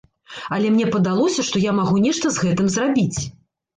Але мне падалося, што я магу нешта з гэтым зрабіць.